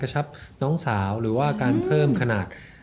ใช่ค่ะ